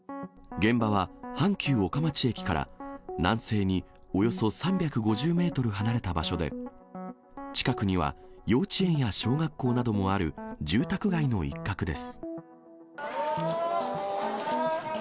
現場は阪急岡町駅から南西におよそ３５０メートル離れた場所で、近くには幼稚園や小学校などもある住宅街の一角です。